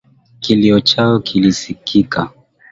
Kilio chao kilisikika.